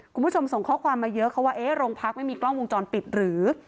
คุณผู้ชมส่งข้อความมาเยอะเขาว่าเอ๊ะโรงพักไม่มีกล้องวงจรปิดหรือ